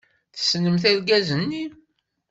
Tessnemt argaz-nni?